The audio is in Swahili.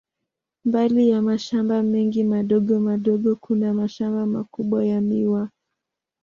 Mbali ya mashamba mengi madogo madogo, kuna mashamba makubwa ya miwa.